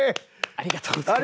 ありがとうございます。